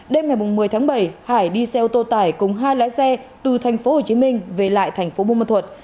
đêm ngày một mươi tháng bảy hải đi xe ô tô tải cùng hai lái xe từ tp hcm về lại thành phố buôn ma thuật